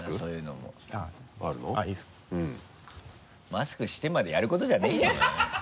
マスクしてまでやることじゃねぇよ。